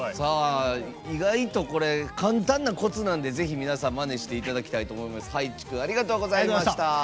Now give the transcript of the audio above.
意外と簡単なコツなんでぜひ、皆さんまねしていただきたいと思います。